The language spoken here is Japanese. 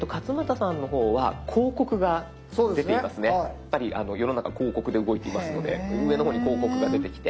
やっぱり世の中広告で動いていますので上の方に広告が出てきて。